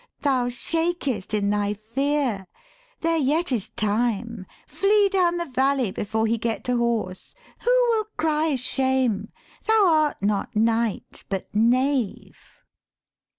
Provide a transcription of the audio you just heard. Thou shakest in thy fear: there yet is time: Flee down the valley before he get to horse. Who will cry shame? Thou art not knight but knave.'